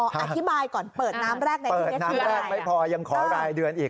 อธิบายก่อนเปิดน้ำแรกเลยเปิดน้ำแรกไม่พอยังขอรายเดือนอีก